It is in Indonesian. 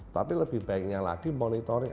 tapi lebih baiknya lagi monitoring